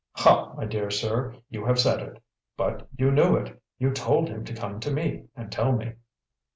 "Ha, my dear sir, you have said it! But you knew it; you told him to come to me and tell me."